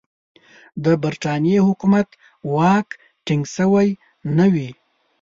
د برټانیې حکومت واک ټینګ سوی نه وي.